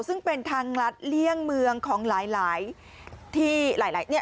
ซึ่งเป็นทางรัฐเลี่ยงเมืองของหลายที่